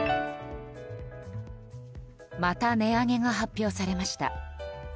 また値上げが発表されました。